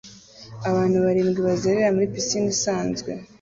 Abantu barindwi bazerera muri pisine isanzwe